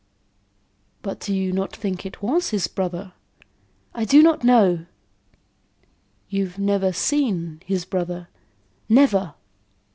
"But you do not think it was his brother?" "I do not know." "You've never seen his brother?" "Never."